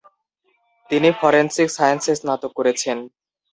তিনি ফরেনসিক সায়েন্সে স্নাতক করেছেন।